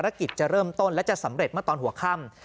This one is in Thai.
กิจจะเริ่มต้นและจะสำเร็จเมื่อตอนหัวค่ำ